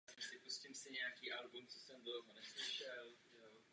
Nová ústava zavedla parlamentní demokracii kombinovanou s prvky konstituční monarchie.